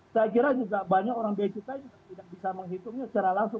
saya kira juga banyak orang baik kita juga tidak bisa menghitungnya secara langsung